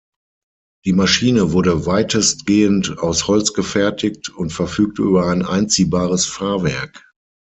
Die Maschine wurde weitestgehend aus Holz gefertigt und verfügte über ein einziehbares Fahrwerk.